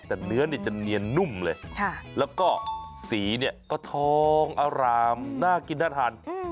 แต่เนื้อจะเนียนนุ่มเลยแล้วก็สีเนี่ยก็ทองอร่ามน่ากินน่าทาน